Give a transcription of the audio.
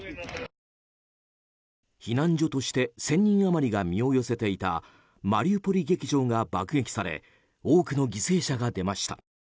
避難所として１０００人余りが身を寄せていたマリウポリ劇場が爆撃され多くの犠牲者が出ました。